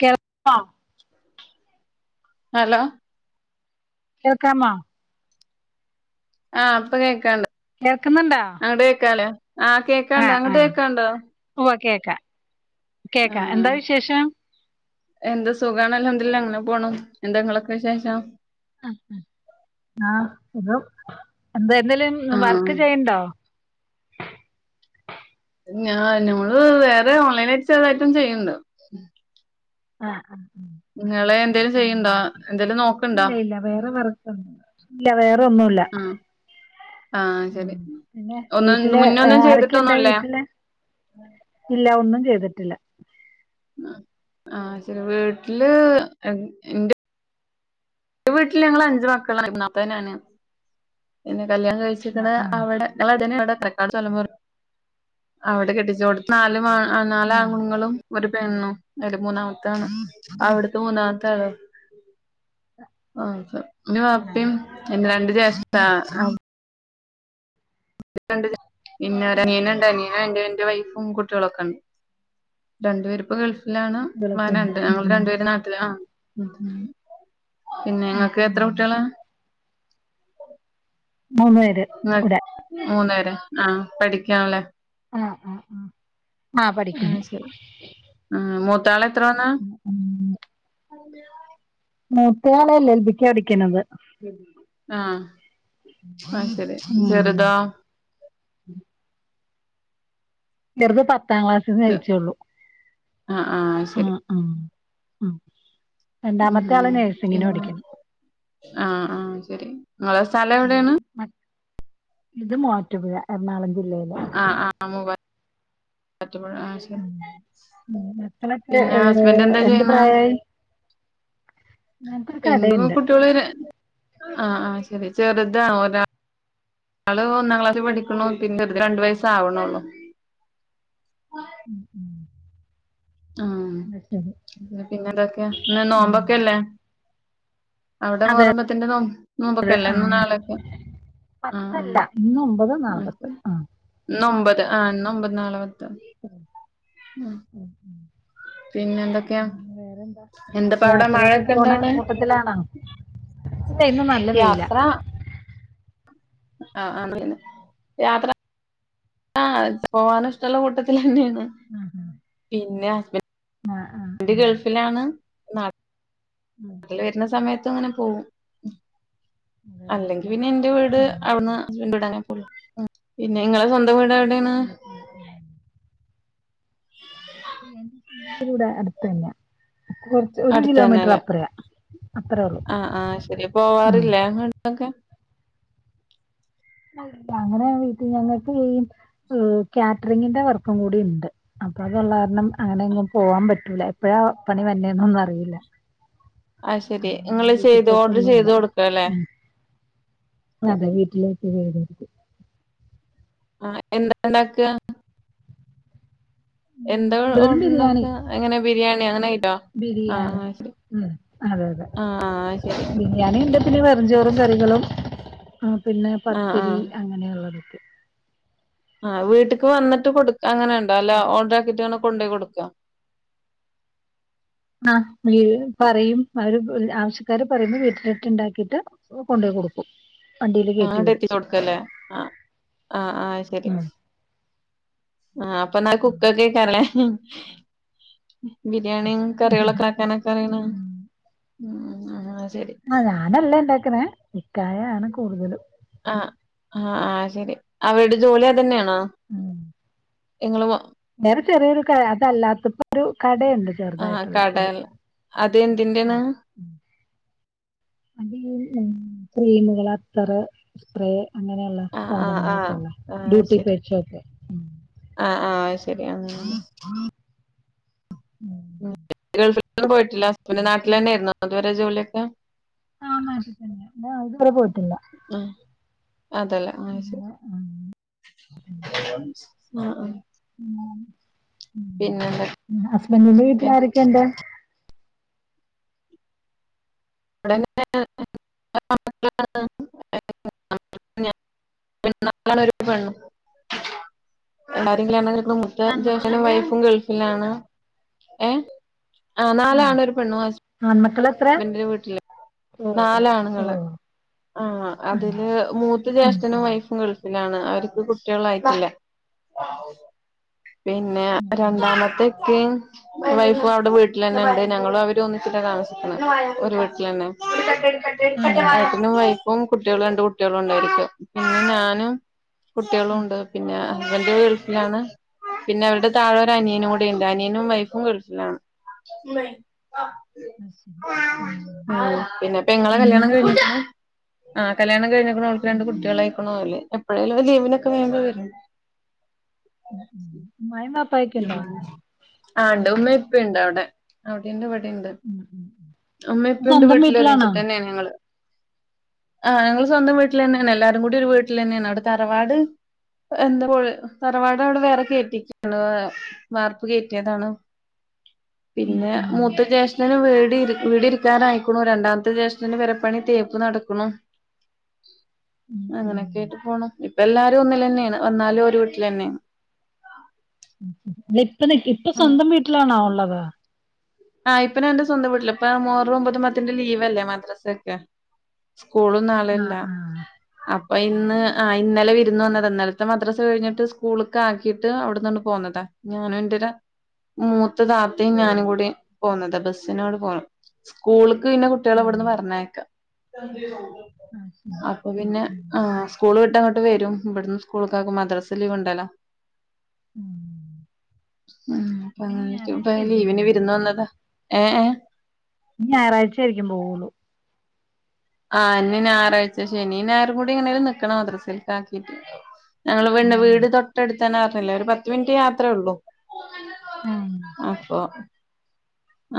കെട് ന്നോ ഹലോ കേൾക്കാമൊ? ആ പ്പൊ കേക്കാണ്ട് കേൾക്കുന്നുണ്ടോ? ങ്ങട് കേക്കാലേ ആ കേക്കാണ്ട് അങ്ങട്ട് കേക്കാണ്ടോ വോ കേക്കാ ആഹ് എന്ത് സുഖ ണ് അൽഹംദുലില്ലാഹ് അങ്ങനെ പോണു എന്താ ഇ ങ്ങളൊക്കെ വിശേഷം? ആ സുഖം എന്താ എന്തേലും വർക്ക് ആഹ് ചെയ്യണ്ടോ? ഞ ഞമ്മള് വേറെ ഓൺലൈനായിട്ട് ചെർതായിട്ട് ചെയ്യുണ്ട് ആഹ് ഇങ്ങള് എന്തേലും ചെയ്യ്ണ്ടോ എന്തേലും നോക്ക്ണ്ടോ ഇല്ല ഇല്ല വേറെ വർ ക്ക് ഇല്ല വേറെ ഒന്നുല്ല ആഹ് ആഹ് ശരി പിന്നെ ഒന്നും വീട്ടില് മുന്നൊന്നും ആരൊക്കെണ്ട് ചെയ്തിട്ടൊന്നുല്ലേ വീട്ടില്? ഇല്ല ഒന്നും ചെയ്തിട്ടില്ല ആ ശരി വീട്ടില് ഇന്റെ വീട്ടിൽ ഞങ്ങള് അഞ്ചു മക്കള ഒന്നാമത്തെ ഞാനാ പിന്നെ കല്യാണം കഴിച്ചിരിക്ക ആഹ് ആഹ് അവിടെ [unintelligible] തലമുറ അവിടെ കെട്ടിച്ചു കൊടു നാല് മാ അ നാല്ആണ്ങ്ങളും ഒരു പെണ്ണും അയ്ല് മൂന്നാമത്തെ ആണ് അവിടുത്തെ മൂന്നാമത്തെ ആണ് ഓ പിന്നെ ആഹ് വാപ്പിം രണ്ടു ജേഷ്ട പിന്നെ ഒരു അനിയൻ ഉണ്ട് അനിയന്റെ വൈഫും കുട്ടികളൊക്കെ ഉണ്ട് രണ്ടു പേര് ഇപ്പോ ഗൾഫിലാണ് കുട്ടികളൊക്കെണ്ട് രണ്ട് ഞങ്ങള് ഉം രണ്ടുപേര് നാട്ടില് ആ പിന്നെ ഉം നിങ്ങൾക്ക് ഉം എത്ര കുട്ടികളാ മൂന്ന് പേര് അ ഇവിടെ മൂന്ന് പേരോ ആഹ് പഠിക്കാണ്ല്ലേ ആഹ് ആഹ് ആഹ് ആഹ് ആ പഠിക്കുന്നു ശരി ആ മൂത്താള് എത്ര വന്ന ഉം മൂത്തയാള് എൽ എൽ ബിക്കാ പഠിക്ക്ണത് ആഹ് അയ് ശരി ഉം ചെറ്തോ ചെറ്ത് പത്താം ക്ലാസ്ന്ന് ജയിച്ചുള്ളൂ ആ ആ ശരി അ അ രണ്ടാമത്തെ ആള് ഉം നഴ്സിങ്ങിന് പിന്നെ പഠിക്ക്ണ് ആഹ് ആഹ് ശരി നിങ്ങളെ സ്ഥലം എവിടെയാണ് ! ! ! ! ! ! ! ! ! !! ! ! ! ! ഉം ! ! ! ഉം. ! ! മക്കളൊക്കെ പിന്നെ ഏഹ് ഹസ്ബൻറ് എന്താ എന്ത് ചെയ്യുന്നേ പ്രായായി ഞങ്ങക്കൊരു രണ്ട് കടയുണ്ട് കുട്ടികള് ആഹ് ആ ശരി ചെറുതാ ഒരാൾ ഒരാള് ഒന്നാം ക്ലാസിൽ പഠിക്ക്ണോ പിന്നെ [inaudible] രണ്ടു വയസാവ് ണോ ഉള്ളൂ ഉം ഉം ആ അത് ശരി പിന്നെ എന്തൊക്കെയാ ഇന്ന് ഉം നോമ്പൊക്കെയല്ലേ അവിടെ അതെ മുഹറം പത്തിന്റെ നോ നോമ്പൊക്കെയല്ലേ ഇന്നും നാളെ ഒക്കെ പത്തല്ല ഇന്ന് ഒമ്പത് നാളെ ആഹ് പത്ത് ശരി ആ ഇന്ന് ഒമ്പത് ആ ഇന്ന് ഒമ്പത് നാളെ പത്ത് ആ ആഹ് പിന്നെ എന്തൊക്കെയാ എന്തപ്പ അവിടെ മഴ യാത്രയൊക്കെ ഒക്കെ പോണ ഇണ്ടാടെ കൂട്ടത്തിലാണോ ഇല്ല ഇന്ന് നല്ല വെയിലാ യാത്ര ആ ആ പറഞ്ഞോ യാത്ര ആഹ് പോവാന് ഇഷ്ടള്ള കൂട്ടത്തിലന്നേണ് ആ ആ ഹാ പിന്നെ ഹസ്ബൻന്റ് ഗൾഫിലാണോ നാട്ടി ഉം ൽ വരുന്ന സമയത്ത് അങ്ങനെ പോകും അല്ലെങ്കി വേറെന്തല്ലാം പിന്നെ എന്റെ വീട് ഉം അവിന്ന്ന്റെ വീട് അങ്ങനെ പോവും ഉം പിന്നെ നിങ്ങളെ സ്വന്തം വീടെ എവിടെ [unintelligible] [inaudible] അടുത്ത തന്നെ കുറച്ച് ഒരു കിലോമീറ്റർ അടുത്തന്നെല്ലേ അപ്പറയാ അത്രറ ഉള്ളൂ ഒക്കെ അല്ല അങ്ങനെ വീട്ടി ഞങ്ങൾക്ക് ഈ കാറ്ററിങ്ങിന്റെ വർക്കും കൂടി ഉണ്ട് അപ്പൊ അതുള്ള കാരണം അങ്ങനെങ്ങും പോവാൻ പറ്റൂല എപ്പഴാ പണി വര്ണേന്നൊന്നും അറിയില്ല അയ് ശെരി അങ്ങനെ അങ്ങനെ നിങ്ങള് വീട്ടിൽ ചെയ്തു ഓർഡർ പോക്കൊന്നുമില്ല ചെയ്ത് കൊടുക്ക അല്ലേ അതെ വീട്ടിലേക്ക് ചെയ്ത് കൊടുക്കും ആഹാ എന്താണ്ടാക്ക? എന്താ കൂടുതലും ഓർഡർണ്ടാക്ക, ബിരിയാണി എങ്ങനെ ബിരിയാണി അങ്ങനെ ആട്ടോ, ആഹാ ബിരിയാണി ശരി. ഉം അതെ. ആഹ ശരി. ഞാനഎന്താ പിന്നെ വെറഞ്ചോറും, കറികളും പിന്നെ ആഹ് പത്തിരി, ആഹ് അങ്ങനെയുള്ളതൊക്കെ. ആഹ വീട്ടക്ക്ന്നിട്ട് കൊടുക്ക, അങ്ങനെണ്ട അല്ല ഓർഡർ ആക്കിട്ട് അങ്ങനെ കൊണ്ട് കൊടുക്കാം. ആഹാ പറയും, ആര് ആവശ്യക്കാര് പറയ്പ വീട്ടിലിട്ട്ണ്ടാക്കിട്ട്- കൊണ്ടോയി കൊടുക്കും. വണ്ടിയില് കേറ്റി ആടെ എത്തി കൊടുക്കല്ലേ ആഹ ആഹ് ആഹ് ശരി. വിടും ആപ്പ ആ കുക്ക കേ കരളേ. ബിരിയാണിയ കറികളൊക്കെ ആക്കാനൊക്കെ- പറയണ ഉം ആഹ ശരി. ആഹ ഞാനല്ല ഉണ്ടാക്കുന്ന- ഇക്കായാണ് കൂടുതലും. ആഹാ ആഹാ ആഹാ ശരി, അവരുടെ ജോലി അതന്നെയാണോ. ഉം. ങ്ങള്- നേറെ ചെറിയൊരു അതല്ലാത്തപ്പോ, ഒരു കടയുണ്ട് ചെറുതായിട്ടുള്ള ഒരു. അതെന്തിന്റെ. ആഹാ ക്രീമുകൾ അത്തർ സ്പ്രേ അങ്ങനെ, ള്ള ആഹ് ആഹ് ആഹ് സാധനങ്ങളൊക്കെള്ള ഡ്യൂട്ടി- പേഷോപ്പ്. ആഹ, ആഹ, ശരി. [inaudible] ഗൾഫ പോയിട്ടില്ല, ഹസ്ബൻഡ് സോ നാട്ടിൽ തന്നെയായിരുന്നു. അതുവരെ ജോലിയൊക്കെ- ആഹ് മാറ്റ തന്നെ അരെ പോയിട്ടില്ല. ആഹാ അതല്ല ആരി- ആഹ ആഹാ. ഉം ഉം. പിന്ന. ഹസ്ബന്റിന്റെ വീട്ടിൽ ആരൊക്കെയുണ്ട്. അവിടെങ്ങനെ [unintelligible] [unintelligible] എരെങ്കിലുംണെങ്കിലിൽ ഇടെ മൂത്ത ആൺമക്കളാ ജഷനും, വൈഫും ഗൾഫിലാണ് ഹേ. ആഹ് നളെ ആണര് പണ്വ- ആൺ മക്കളെ- ബന്റെ വീട്ടില് ഓ നാലാണുങ്ങള്. ആ ആഹ് അതില് മൂത്ത ജേഷ്ഠനും, വൈ- ഉം ഗൾഫിലാണ്, അവർക്ക് കുട്ടികള ആയിട്ടില്ല. പിന്നെ ഉം ഉം രണ്ടാമത്തക്ക- വൈഫും അവിടെ വീട്ടിൽ തന്നെ ഉണ്ട്, ഞങ്ങളും അവര് ഒന്നിച്ചന്നെ താമസിക്കുന്ന, ഒരു വീട്ടിൽ തന്നെ. ആഹ് നട്ടും വൈഫും, കുട്ടികള രണ്ട് കുട്ടികളും ഉണ്ടായിരിക്ക, പിന്നെ ഞാനും. കുട്ടികളും ആഹ് ഉണ്ട് പിന്നെ- ഹസ്ബൻന്റെ വീർപ്പിലാണ് പിന്നെ അവരുടെ താഴെഅനിയനും കൂ- ന്ത അനിയനും മൈഫും കൊടുപ്പാണ്. അത് ശരി ആഹ് ആ പിന്നെപ്പങ്ങളെ കല്യാണം നിങ്ങളെ കഴിഞ്ഞിട്ട. ആ കല്യാണം കഴഞ്ഞിക്കണണം അവൾക്ക് ഉം രണ്ട് ഉം കുട്ടികളായിയിക്കണ അല്ലേ, എപ്പോഴേലും ലീവിനൊക്കെ വേമ്പോ വരും. ഉം ഉഉം മായ ബപ്പ- ഉം ആണ്ട് ഉമ്മപ്പുണ്ട് അവിടെ- അവിടെണ്ട്, വിടെണ്ട് ഉം ഉം ഉം അമ്മ ഇപ്പ- എന്റെ സ്വന്തം വീട്ടിൽ വീട്ടിലാണോ ഒരുമിച്ചിട്ട് തന്നെയ ഞങ്ങള്. ആഹാ ങ്ങള് സ്വന്തം വീട്ടിൽ- തന്നെയാണ് എല്ലാരും കൂടി ഒരു- വീട്ടിൽ തന്നെയാണ് അവി തറവാട്- എന്താ തറവാട അവിടെ വേറെ കേട്ടിക്കും. മാർപ്പ് കയറ്റിയതാണ് ഉം പിന്നെ. ഉം മൂത്ത ജേഷ്ട്ടന് വീട് വീടിരിക്കാനായിക്ക്ണു രണ്ടാമത്തെ ജേഷ്ട്ടന് പെരപ്പണി തേപ്പ് നടക്ക്ണു. ഉം ഉം അങ്ങനെക്കായിട്ട് പോണ് ഇപ്പെല്ലാരും ഒന്നിലെന്നെണ് വന്നാലും ഒരു വീട്ടിലെന്നെണ്. ഉം ഉം ലിപ്പ നിക്ക് ഇപ്പ ഉം സ്വന്തം വീട്ടിലാണോ ഉള്ളത്? ആഹ് ഇപ്പോ ഞാന്റെ സ്വന്തം വീട്ടിലാ ഇപ്പൊ മുഹറം ഒൻപതും പത്തിന്റെ ലീവല്ലേ മദ്രസൊക്കെ സ്കൂളും നാളെ ആഹ് ല്ലാ. ആഹ് അപ്പൊ ഇന്ന് ആഹ് ഇന്നലെ വിര്ന്ന് വന്നതാ. ഇന്നല്ത്തെ മദ്രസ കഴിഞ്ഞിട്ട് സ്കൂൾക്കാക്കിട്ട് അവട്ന്നണ്ട് പോന്നതാ. ഞാനും ഇന്റെ ര മൂത്ത താത്തിം ആഹ് ഞാനും കൂടി പോന്നതാ. ബസ്സിനിങ്ങട് പോ സ്കൂള്ക്ക് പിന്നെ ഓ കുട്ട്യെളെവട്ന്ന് പർഞ്ഞേക്കാ. അത് ശരി അപ്പൊ ഉം പിന്നെ ഉം ആഹ് സ്കൂൾ വിട്ടാ ഇങ്ങട്ട് വെരും. ഇബട്ന്ന് സ്കൂൾക്കാക്കും മദ്രസ ലീവ്ണ്ടല്ലോ. ഉം ഉം അപ്പൊ ഇനി ഇപ്പങ്ങനെ ഇപ്പോ ഞായറാഴ്ച ഞാൻ ആയിരിക്കും ലീവിന് പോവുള്ളൂ വിര്ന്ന് വന്നതാ. ഏഹ് ഏഹ് ഇ ഞായറാഴ്ചായിരിക്കും പോവുള്ളൂ. ആ ഇനി ഞായറാഴ്ച ശനി, ഞായറും കൂടി എങ്ങനേലും നിക്കണം മദ്രസേൽക്കാക്കീട്ട്. ഞങ്ങള് പിന്നെ ഉം വീട് തൊട്ടട് ത്തന്നർഞ്ഞില്ലേ ഒര് പത്ത് മിനിറ്റ് യാത്രേള്ളൂ. ആഹ് അപ്പൊ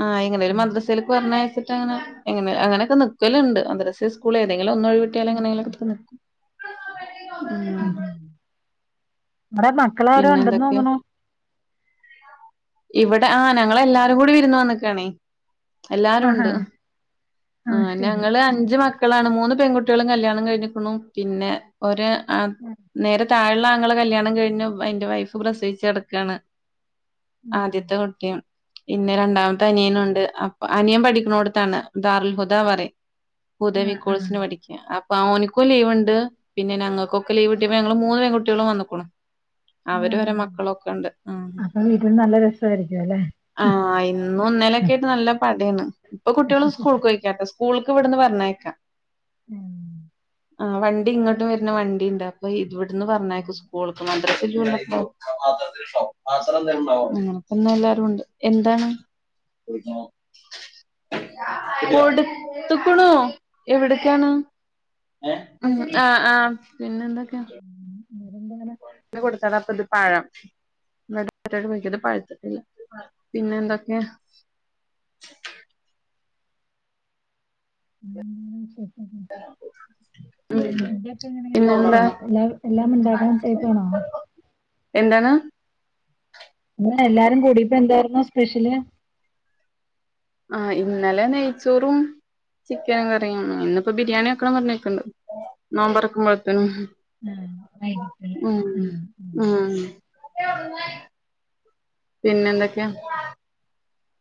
ആ എങ്ങനേലും ഉം മദ്രസയിലേയ്ക്ക് പറഞ്ഞയച്ചിട്ട് ആഹ് അങ്ങനെങ്കിലും മദ്രസ്സേൽക്ക് പർഞ്ഞയച്ച്ട്ടങ്ങനെ എങ്ങനെ അങ്ങനെക്കെ നിക്കല്ണ്ട്. മദ്രസ സ്കൂളെതെങ്കിലൊന്നൊഴിവ്ട്ട്യാലങ്ങനെ ആഹ് ങ്കിലൊക്കെ [unintelligible] ഉം അവടെ മ പിന്നെന്തെക്കെ? ഇവടെ ആഹ് ഞങ്ങളെല്ലാരും കൂടി വിര്ന്ന് വന്നക്കാണേ. ആഹാ എല്ലാരുണ്ട്. ആഹ് ഞങ്ങള് അഞ്ച് മ ക്കളാണ്. മൂന്ന് പെൺകുട്ട്യെളും കല്യാണം കഴിഞ്ഞ്ക്കുണു പിന്നെ ഒര് അ ആഹ് നേരെ താഴെ ള്ളെ ആങ്ങള കല്യാണം കഴിഞ്ഞു. അയ്ന്റെ വൈഫ് പ്രസവിച്ച് കെടക്കാണ്. ആദ്യത്തെ കുട്ട്യാ പിന്നെ രണ്ടാമത്തെ അനിയനുണ്ട്. അപ് അനിയൻ പഠിക്ക്ണോട്ത്താണ്. ദാറുൽഹുദ പറിം. ഹുദവി ആഹ് കോഴ്സിന് ആഹ് പഠി ക്ക്യാ അപ്പൊ ഓൻക്കും ലീവ്ണ്ട്. പിന്നെ ഞങ്ങക്കൊക്കെ ലീവ് ട്ട്യപ്പം ഞങ്ങള് മൂന്ന് പെൺകുട്ട്യെളും വന്ന്ക്കുണു. അവരും ആഹാ അവരെ മക്കളൊക്കെണ്ട്. ഉം അപ്പൊ വീട്ടിൽ നല്ല രസമായിരിക്കും അല്ലെ ആഹ് ഇന്നും ഇന്നലെക്കായിട്ട് നല്ല പടേണ്. ഇപ്പൊ കുട്ട്യേള് സ്കൂൾകോയി ക്ക്യാട്ടോ സ്കൂൾക്ക് വട്ന്ന് പർഞ്ഞേക്കാം. ഉം. ആഹ് വണ്ടി ഇങ്ങട്ടും വെര്ന്ന വണ്ടി ണ്ട് അപ്പൊ ഇവട്ന്ന് പർഞ്ഞേക്ക സ്കൂൾക്ക് മ ദ്രസ്സ് [unintelligible] ആഹ് ഇന്നെല്ലാരുണ്ട്. എന്താണ്? കൊടുത്തുക്കണോ? എവിടേയ്ക്കാണ്? ഉം ആഹ് ആഹ് പിന്നെന്തൊക്കെ? വേറെന്താണ് [unintelligible] കൊടുത്താണ്, അപ്പ ഇത് പഴം പിന്നെന്തൊക്കെ? [unintelligible] ഉം ഫുഡൊക്കെങ്ങനെ ണ്ടാക്കോ? പിന്നെന്താ എല്ലാം എല്ലാം മ്ണ്ടാക്ക്ണെ ടൈപ്പാണോ? എന്താണ്? ഇന്ന് എല്ലാരും കൂടിട്ട് എന്തായിരുന്നു സ്പെഷ്യല്? ആഹ് ഇന്നലെ നെയ്ച്ചോറും ചിക്കൻ കറിം ഇന്ന്പ്പോ ബിരിയാണി വെക്കണം പർഞ്ഞ്ക്ക്ണ്ട്. നോമ്പൊറ്ക്കുമ്പോത്തിനും [unintelligible] ഉം ആഹ് ആഹ് ഉം. പിന്നെന്തെക്കെ?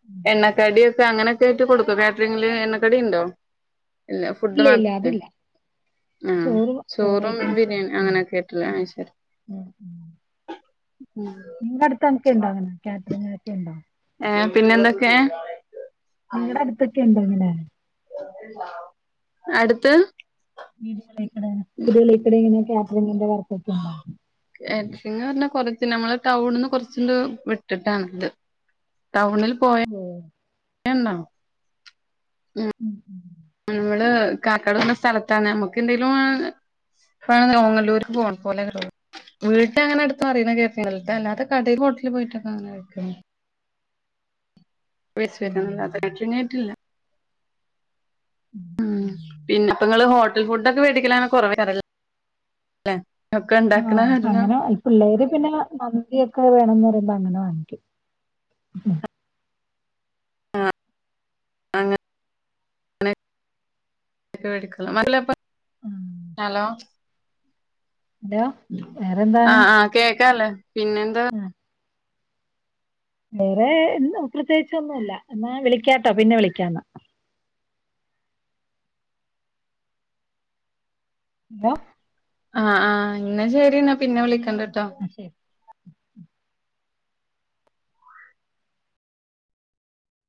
ഉം എണ്ണക്കടി ഒക്കെ അങ്ങനെയൊക്കെ ആയിട്ട് കൊടുക്കോ കാറ്ററിങ്ങില് എണ്ണക്കടി ണ്ടോ ഇല്ല ഫുഡ് ഇല്ല മാത്ര അതില്ല ആ ചോറ് ചോറ് ചോറും ഐറ്റംസ് ബിരിയാണി ഉം അങ്ങനെയൊക്കെ ആയിട്ടില്ലേ അഹ് ശരി നിങ്ങളടുത്ത ന് ക്കെ ണ്ടോ അങ്ങനെ കാറ്ററിംഗ് കാരക്കെ ണ്ടോ ഏ ഹ് പിന്നെന്തൊക്കെ ക്കെ ഇണ്ടങ്ങനെ അടുത്ത് വീട്കളെക്ക്ണ് വീട്കളേക്ക്ട് ഇങ്ങനെ കാറ്ററിങ്ങിന്റെ വർക്കൊക്കെ ണ്ടോ. കാറ്ററിംഗ് റ്ഞ്ഞാ കൊറച്ച് നമ്മള് ടൗണിന്ന് കൊറച്ച് ണ്ട്‌ വിട്ടിട്ടാണ് ത് ടൗണിൽ പോയ ഓ എന്നോ ഉം നമ്മള് കാക്കാട് റ്ഞ്ഞ സ്ഥലത്താണ് നമ്മുക്ക് എന്തെലും വാങ്ങ വാങ്ങാൻ ഓങ്ങല്ലൂര് ക്ക് പോണ പോലെ [unintelligible] വീട്ട് അങ്ങനെ അട് [unintelligible] അല്ലാതെ കടേയ്ലു ഹോട്ടല് ലു പോയിട്ടക്ക അങ്ങനെ കഴിക്കുന്നു യിച്ച് ഉം വരാന്നല്ലാതെ കാറ്ററിങ് ആയിട്ടില്ല മ് പിന്നെ പ്പ ങ്ങള് ഹോട്ടൽ ഫുഡ്ക്കെ വേടിക്കല് അങ്ങനെ കുറവേ ക്കാരം ല്ലെ ഒക്കെ ഇണ്ടാക്ക്ണ ആഹ് കാരണം അങ്ങനെ ഈ പിള്ളേര് പിന്നെ മന്തിയൊക്കെ വേണന്ന് പറയുമ്പോ അങ്ങനെ വാങ്ങിക്കും. അങ്ങനെ ങ്ങനെ ക്കെ വേടിക്കൊള്ളു ആ, ഹലോ ഹലോ വേറെന്താണ് ആഹ് ആഹ് കേക്കാല്ലേ പിന്നെ എന്താ [unintelligible] വേറെ എന്താ പ്രത്യേകിച്ച് ഒന്നുല്ല എന്നാ വിളിക്കാട്ടോ പിന്നെ വിളിക്കാന്നാ ന്താ ആഹ് ആഹ് ന്നാ ശരി ന്നാ പിന്നെ വിളിക്കണ്ട് ട്ടോ വിളിക്കാം ആഹ് ശരി